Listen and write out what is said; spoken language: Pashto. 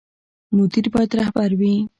مدیر باید رهبر وي